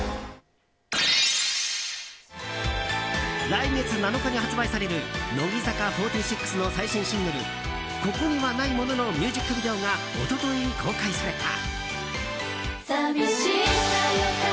来月７日に発売される乃木坂４６の最新シングル「ここにはないもの」のミュージックビデオが一昨日、公開された。